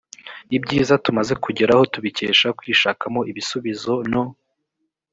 ibyiza tumaze kugeraho tubikesha kwishakamo ibisubizo no